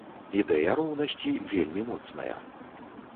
Ідэя роўнасці вельмі моцная.